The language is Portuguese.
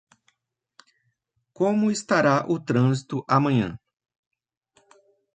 Como estará o trânsito amanhã?